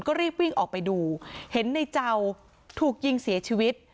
ก็รีบวิ่งออกไปดูเห็นในเจ้าถูกยิงเสียชีวิต